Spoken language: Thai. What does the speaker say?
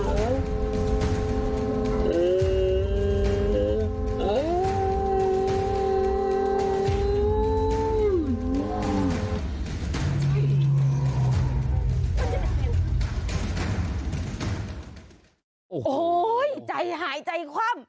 โอ้โหจัยหายจัยคว่ำ